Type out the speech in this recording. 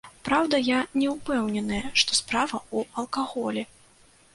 Праўда, я не ўпэўнены, што справа ў алкаголі.